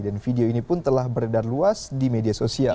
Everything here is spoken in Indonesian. dan video ini pun telah beredar luas di media sosial